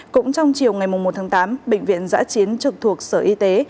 cũng trong chiều ngày một tháng tám bệnh viện giã chiến trực thuộc sở y tế